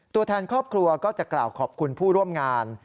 ตัวแทนครอบครัวก็จะกล่าวขอบคุณผู้ร่วมงาน